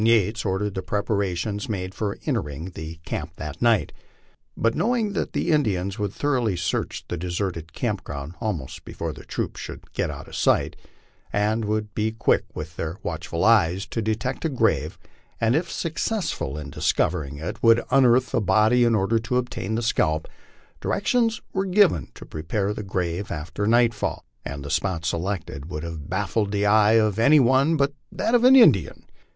Yates ordered preparations made for interring it in camp that night; but know ing that the Indians would thoroughly search the deserted camp ground almost before the troops should get out of sight, and would be quick with their watch ful eyes to detect a grave, and if successful in discovering it would unearth the body in order to obtain the scalp, directions were given to prepare the grave after nightfall, and the spot selected would have baffled the eye of any one but that of an Indian.